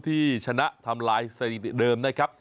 ที่ชนะทำลายสถิติเดิมนะครับ